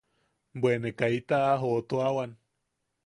Bwe ne kaita a jootuawan.